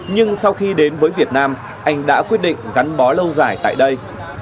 nhưng sau khi đến với việt nam anh đã quyết định gắn bó lâu dài tại đây